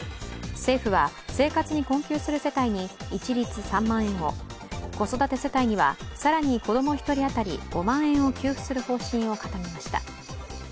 政府は生活に困窮する世帯に一律３万円を子育て世帯には更に子供１人当たり５万円を給付する方針を固めました。